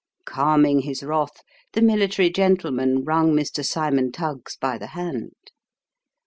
Calming his wrath, the military gentleman wrung Mr. Cymon Tuggs by the hand.